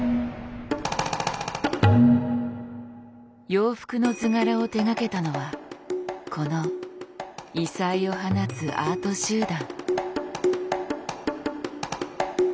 洋服の図柄を手がけたのはこの異彩を放つアート集団。